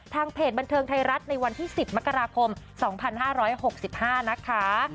เพจบันเทิงไทยรัฐในวันที่๑๐มกราคม๒๕๖๕นะคะ